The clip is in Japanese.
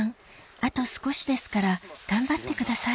あと少しですから頑張ってください